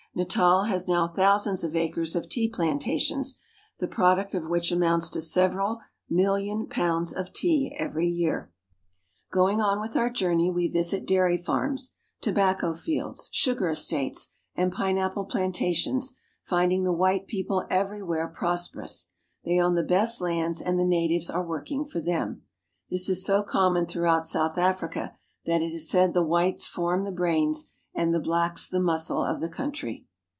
Natal has now thousands of acres of tea plantations, the product of which amounts to several million pounds of tea every year. NATAL, THE GARDEN OF SOUTH AFRICA 313 Going on with our journey, we visit dairy farms, tobacco fields, sugar estates, and pineapple plantations, finding the white people everywhere prosperous. They own the best lands, and the natives are working for them. This is so common throughout South Africa that it is said the whites form the brains and the blacks the muscle of the country.